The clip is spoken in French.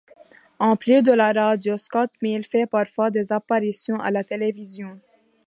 En plus de la radio, Scott Mills fait parfois des apparitions à la télévision.